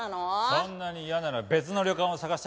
そんなに嫌なら別の旅館を探したらどうだ？